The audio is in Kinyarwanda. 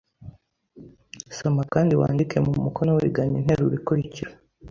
Soma kandi wandike mu mukono wigana interuro ikurikira.